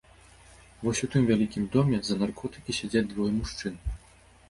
Вось у тым вялікім доме за наркотыкі сядзяць двое мужчын.